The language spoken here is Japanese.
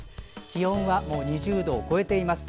気温はもう２０度を超えています。